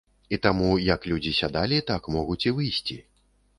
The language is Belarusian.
І таму як людзі сядалі, так могуць і выйсці.